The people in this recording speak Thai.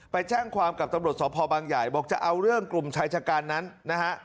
ไปแจ้งความกับตำรวจสพบางใหญ่บอกจะเอาเรื่องกลุ่มชายชะการนั้นนะฮะ